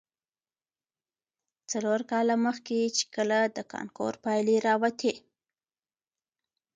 څلور کاله مخې، چې کله د کانکور پايلې راوتې.